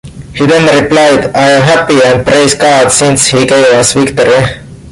He then replied: I am happy and praise God since he gave us victory.